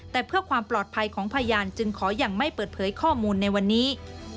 แต่เพื่อความปลอดภัยของพยานจึงขอยังไม่เปิดเผยข้อมูลในวันนี้